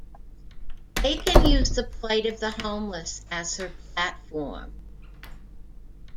Aiken used the plight of the homeless as her platform.